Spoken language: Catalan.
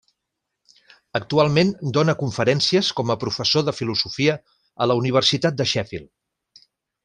Actualment dóna conferències com a professor de filosofia a la Universitat de Sheffield.